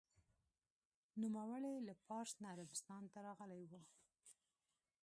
نوموړی له پارس نه عربستان ته راغلی و.